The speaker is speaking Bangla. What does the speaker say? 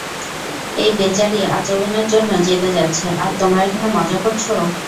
ঐ বেচারি আজীবনের জন্য জেলে যাচ্ছে আর তোমরা এখানে মজা করছ।